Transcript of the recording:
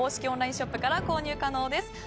オンラインショップから購入可能です。